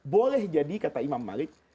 boleh jadi kata imam malik